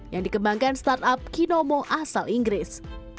yang dikembangkan startup kinomo asal inggris